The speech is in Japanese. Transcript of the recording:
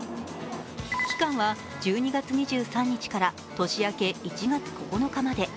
期間は１２月２３日から年明け１月９日まで。